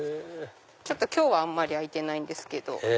今日はあんまり開いてないんですけど。